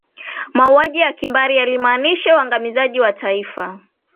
mauaji ya kimbari yalimaanishe uangamizaji wa taifa